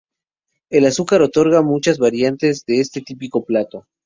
El azúcar otorga muchas variantes a este típico plato.